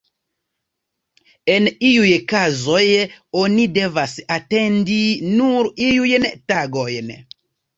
En iuj kazoj oni devas atendi nur iujn tagojn.